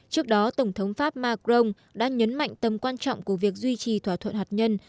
trước đó tổng thống pháp macron đã nhấn mạnh tầm quan trọng của việc duy trì thỏa thuận hạt nhân